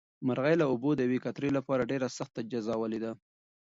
مرغۍ د اوبو د یوې قطرې لپاره ډېره سخته جزا ولیده.